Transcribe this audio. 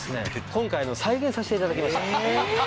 今回再現させて頂きました。